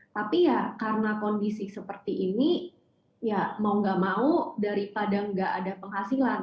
tapi ya karena kondisi seperti ini ya mau nggak mau daripada nggak ada penghasilan